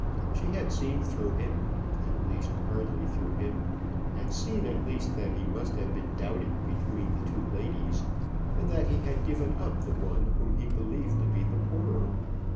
She had seen through him at least, hardly through him; had seen at least that he must have been doubting between the two ladies, and that he had given up the one whom he believed to be the poorer.